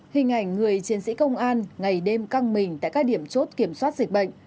hình ảnh người chiến sĩ công an ngày đêm căng mình tại các điểm chốt kiểm soát dịch bệnh